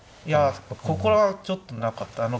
いやここはちょっとなかった。